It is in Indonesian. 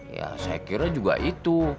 ya saya kira juga itu